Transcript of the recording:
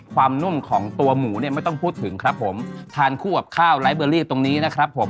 นุ่มของตัวหมูเนี่ยไม่ต้องพูดถึงครับผมทานคู่กับข้าวไลฟ์เบอรี่ตรงนี้นะครับผม